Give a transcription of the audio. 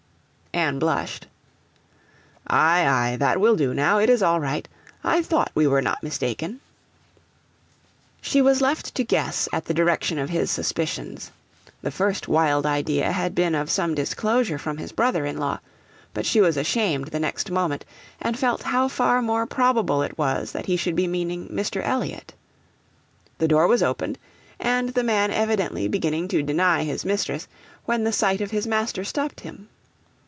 Anne blushed. 'Aye, aye, that will do now, it is all right. I thought we were not mistaken.' She was left to guess at the direction of his suspicions; the first wild idea had been of some disclosure from his brother in law, but she was ashamed the next moment, and felt how far more probable it was that he should be meaning Mr. Elliot. The door was opened, and the man evidently beginning to deny his mistress, when the sight of his master stopped him.